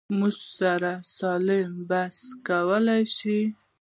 موږ سره سالم بحث کولی شو.